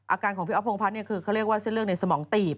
อาการของพี่อ๊พงพัฒน์คือเขาเรียกว่าเส้นเลือดในสมองตีบ